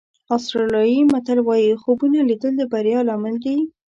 آسټرالیایي متل وایي خوبونه لیدل د بریا لامل دي.